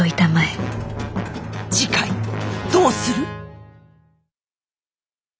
次回どうする？